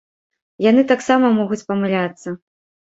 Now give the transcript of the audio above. Яны таксама могуць памыляцца.